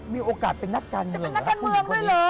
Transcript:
มีโอกาสไปนัดการเมืองหรอ